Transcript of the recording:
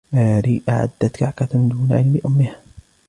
ماري أعدت كعكة دون علم أمها.